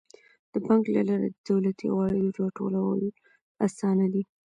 د بانک له لارې د دولتي عوایدو راټولول اسانه دي.